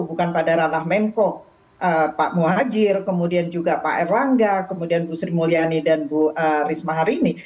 bukan pada ranah menko pak muhajir kemudian juga pak erlangga kemudian bu sri mulyani dan bu risma hari ini